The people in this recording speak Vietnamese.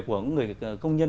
của người công nhân